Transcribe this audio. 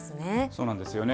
そうなんですよね。